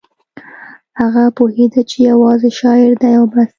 هغه پوهېده چې یوازې شاعر دی او بس